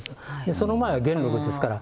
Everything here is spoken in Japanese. その前は元禄ですから。